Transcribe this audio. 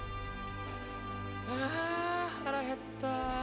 あぁ腹減った。